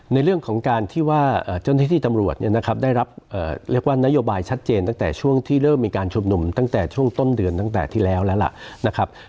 ในเรื่องของการที่ว่าเจ้าหน้าที่ตำรวจเนี่ยนะครับได้รับเรียกว่านโยบายชัดเจนตั้งแต่ช่วงที่เริ่มมีการชุมนุมตั้งแต่ช่วงต้นเดือนตั้งแต่ที่แล้วแล้วล่ะนะครับ